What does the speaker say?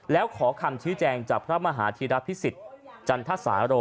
แล้วขอคำชี้แจงจากพระมหาธีระพิสิทธิ์จันทสาโร